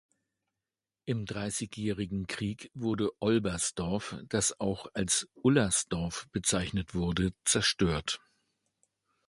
Im Dreißigjährigen Krieg wurde Olbersdorf, das auch als "Ullersdorf" bezeichnet wurde, zerstört.